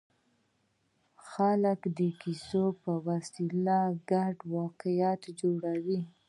خلک د کیسو په وسیله ګډ واقعیت جوړوي.